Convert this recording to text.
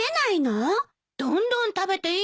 どんどん食べていいのよ。